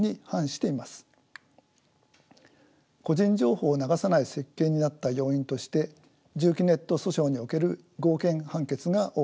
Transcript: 個人情報を流さない設計になった要因として住基ネット訴訟における合憲判決が大きく影響しています。